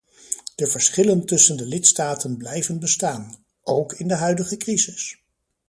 De verschillen tussen de lidstaten blijven bestaan, ook in de huidige crisis.